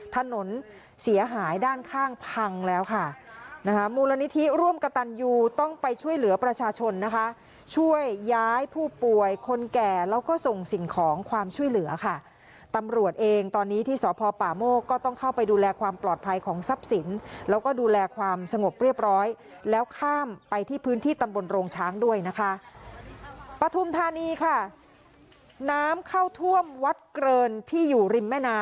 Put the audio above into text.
ถนนเสียหายด้านข้างพังแล้วค่ะนะคะมูลนิธิร่วมกระตันยูต้องไปช่วยเหลือประชาชนนะคะช่วยย้ายผู้ป่วยคนแก่แล้วก็ส่งสิ่งของความช่วยเหลือค่ะตำรวจเองตอนนี้ที่สพป่าโมกก็ต้องเข้าไปดูแลความปลอดภัยของทรัพย์สินแล้วก็ดูแลความสงบเรียบร้อยแล้วข้ามไปที่พื้นที่ตำบลโรงช้างด้วยนะคะปฐุมธานีค่ะน้ำเข้าท่วมวัดเกรินที่อยู่ริมแม่น้ำ